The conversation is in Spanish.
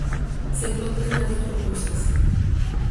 Se encuentra en áreas rocosas.